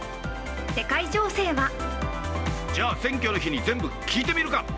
世界情勢は？じゃあ選挙の日に全部聞いてみるか。